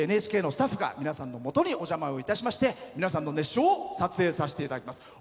ＮＨＫのスタッフが皆さんのもとにお邪魔をいたしまして皆さんの熱唱を撮影させていただきます。